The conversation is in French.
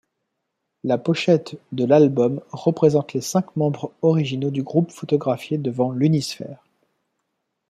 La pochette de l'album représente les cinq membres originaux du groupe photographiés devant l'Unisphere.